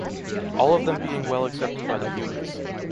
All of them being well accepted by the viewers.